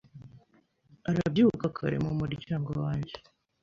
Arabyuka kare mumuryango wanjye.